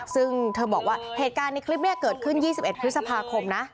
ซึ่งเธอบอกว่าเหตุการณ์ในคลิปนี้เกิดขึ้น๒๑พฤษภาคมนะ